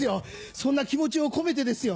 そんな気持ちを込めてですよ